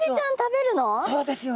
そうですよ。